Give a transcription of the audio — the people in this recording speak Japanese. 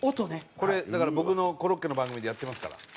これだから僕のコロッケの番組でやってますから。